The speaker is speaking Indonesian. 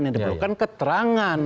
yang diperlukan keterangan